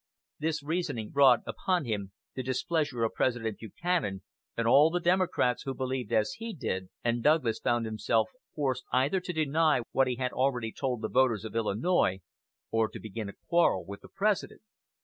This reasoning brought upon him the displeasure of President Buchanan and all the Democrats who believed as he did, and Douglas found himself forced either to deny what he had already told the voters of Illinois, or to begin a quarrel with the President.